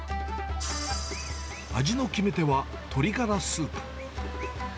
味の決め手は鶏ガラスープ。